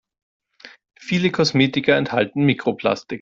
Viele Kosmetika enthalten Mikroplastik.